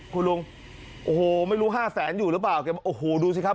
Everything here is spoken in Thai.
คุณลุงโอ้โหไม่รู้ห้าแสนอยู่หรือเปล่าแกบอกโอ้โหดูสิครับ